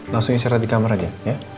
langsung iserat di kamar aja ya